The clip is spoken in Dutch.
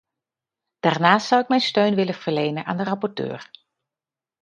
Daarnaast zou ik mijn steun willen verlenen aan de rapporteur.